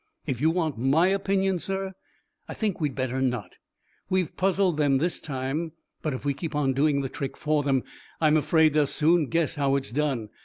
"If you want my opinion, sir, I think we'd better not. We've puzzled them this time, but if we keep on doing the trick for them, I'm afraid they'll soon guess how it's done.